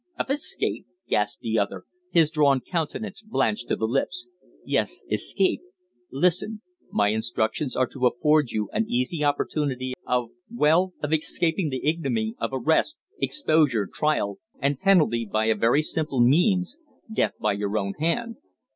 "Of escape!" gasped the other, his drawn countenance blanched to the lips. "Yes, escape. Listen. My instructions are to afford you an easy opportunity of well, of escaping the ignominy of arrest, exposure, trial, and penalty, by a very simple means death by your own hand."